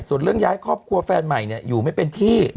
ส่วนเรื่องย้ายครอบครัวแฟนใหม่เนี่ยอยู่ไม่เป็นที่